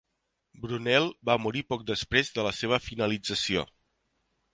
Brunel va morir poc després de la seva finalització.